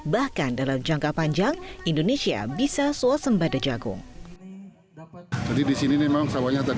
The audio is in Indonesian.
bahkan dalam jangka panjang indonesia bisa sosem pada jagung